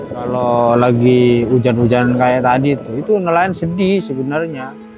kalau lagi hujan hujan kayak tadi tuh itu nelayan sedih sebenarnya